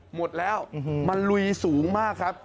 หมดแล้วมันลุยสูงมากครับ